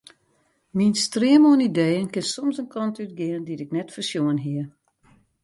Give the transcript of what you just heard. Myn stream oan ideeën kin soms in kant útgean dy't ik net foarsjoen hie.